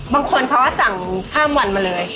บางคนเขาก็สั่งข้ามวันมาเลย